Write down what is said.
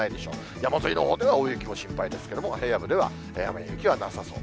山沿いのほうでは大雪も心配ですけども、平野部では雨や雪はなさそう。